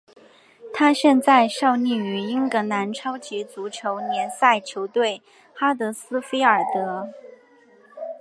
他现在效力于英格兰超级足球联赛球队哈德斯菲尔德。